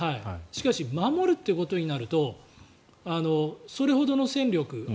しかし守るということになるとそれほどの戦力